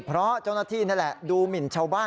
เพราะเจ้าหน้าที่นี่แหละดูหมินชาวบ้าน